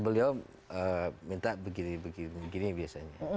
beliau minta begini begini biasanya